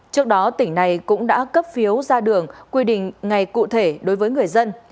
trước đó tỉnh này cũng đã cấp phiếu ra đường quy định ngày cụ thể đối với người dân